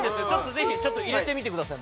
ぜひ入れてみてください